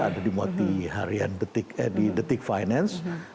ada di multi harian di detik finance